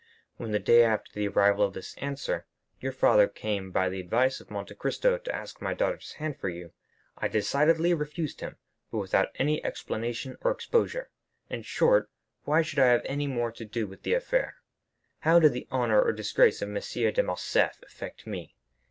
When, the day after the arrival of this answer, your father came by the advice of Monte Cristo to ask my daughter's hand for you, I decidedly refused him, but without any explanation or exposure. In short, why should I have any more to do with the affair? How did the honor or disgrace of M. de Morcerf affect me?